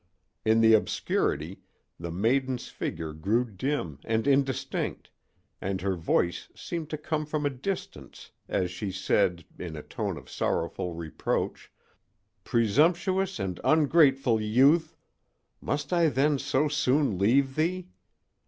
In the obscurity the maiden's figure grew dim and indistinct and her voice seemed to come from a distance, as she said, in a tone of sorrowful reproach: "Presumptuous and ungrateful youth! must I then so soon leave thee?